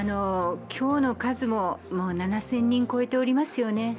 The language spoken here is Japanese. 今日の数も７０００人を超えておりますよね。